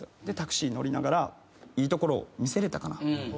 でタクシー乗りながらいいところを見せれたかな